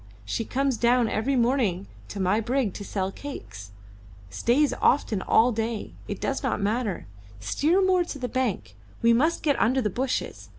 She comes down every morning to my brig to sell cakes stays often all day. It does not matter; steer more into the bank; we must get under the bushes.